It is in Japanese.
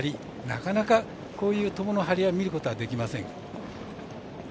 なかなか、こういうトモのハリは見ることはできません。